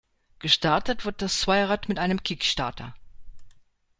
Gestartet wird das Zweirad mit einem Kickstarter.